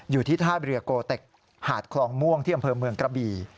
อยู่ที่ท่าเรือโกเต็กหาดคลองม่วงที่อำเภอเมืองกระบี่